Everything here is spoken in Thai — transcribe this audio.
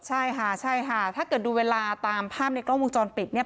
ใช่ค่ะถ้าเกิดดูเวลาตามภาพในกล้องมุมจรปิด